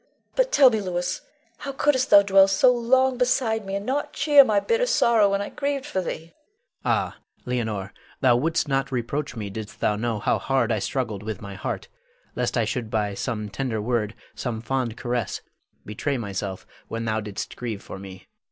But tell me, Louis, how couldst thou dwell so long beside me and not cheer my bitter sorrow when I grieved for thee. Louis. Ah, Leonore, thou wouldst not reproach me, didst thou know how hard I struggled with my heart, lest I should by some tender word, some fond caress, betray myself when thou didst grieve for me. Leonore.